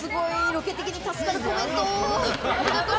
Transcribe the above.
ロケ的に助かるコメント！